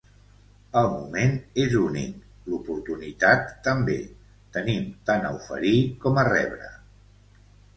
El moment és únic, l’oportunitat també: tenim tant a oferir com a rebre.